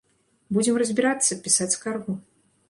Будзем разбірацца, пісаць скаргу.